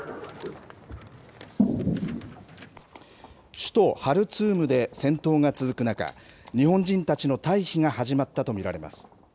首都ハルツームで戦闘が続く中、日本人たちの退避が始まったと見られます。